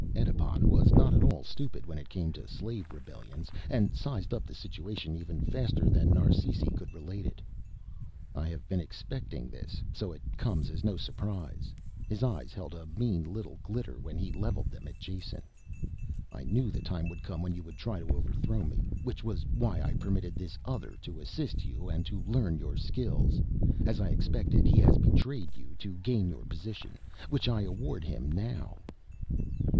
Edipon was not at all stupid when it came to slave rebellions, and sized up the situation even faster than Narsisi could relate it. "I have been expecting this, so it comes as no surprise." His eyes held a mean little glitter when he leveled them at Jason. "I knew the time would come when you would try to overthrow me, which was why I permitted this other to assist you and to learn your skills. As I expected he has betrayed you to gain your position, which I award him now."